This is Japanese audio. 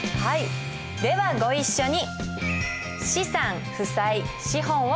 ではご一緒に。